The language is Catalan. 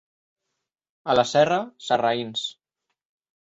A la Serra, sarraïns.